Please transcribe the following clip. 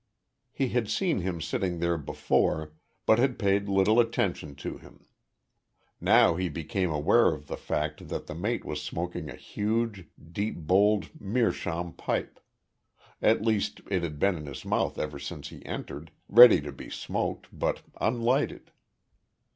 He had seen him sitting there before, but had paid little attention to him. Now he became aware of the fact that the mate was smoking a huge, deep bowled meerschaum pipe. At least, it had been in his mouth ever since he entered, ready to be smoked, but unlighted.